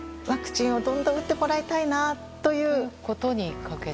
ワクチンをどんどん打ってもらいたいなということで。